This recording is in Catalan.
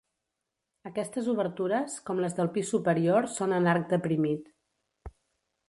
Aquestes obertures, com les del pis superior són en arc deprimit.